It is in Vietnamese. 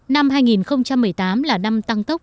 năm hai nghìn một mươi tám là năm tăng tốc